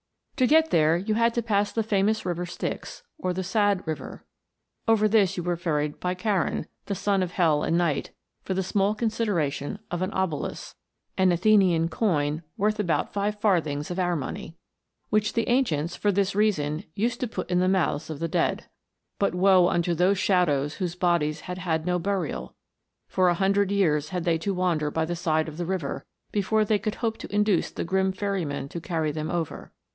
278 PLUTO'S KINGDOM. you had to pass the famous River Styx, or the sad river. Over this you were ferried by Charon, the son of Hell and Night, for the small consideration of an obolus* which the ancients, for this reason, used to put in the mouths of the dead. But woe unto those shadows whose bodies had had no burial : for a hundred years had they to wander by the side of the river, before they could hope to induce the grim ferryman to carry them over.